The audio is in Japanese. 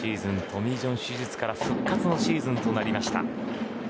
トミー・ジョン手術から復活のシーズンとなりました。